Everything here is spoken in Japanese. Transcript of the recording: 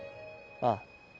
ああ。